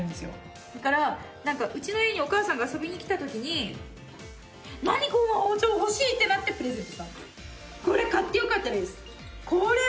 だからうちの家にお母さんが遊びに来た時に「何？この包丁！欲しい！」ってなってプレゼントしたんです。